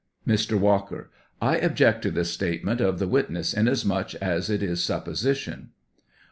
[Mr. Walker. I object to this statement of the wit ness, inasmuch as it is supposition.